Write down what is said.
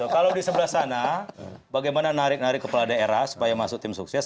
kalau di sebelah sana bagaimana narik narik kepala daerah supaya masuk tim sukses